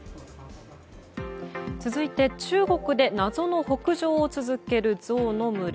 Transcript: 続いて中国で謎の北上を続けるゾウの群れ。